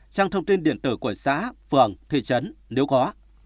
trang thông tin điện tử của xã phường thị trấn nếu có